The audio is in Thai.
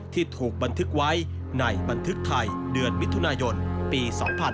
ที่ถูกบันทึกไว้ในบันทึกไทยเดือนมิถุนายนปี๒๕๕๙